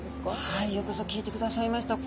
はいよくぞ聞いてくださいました。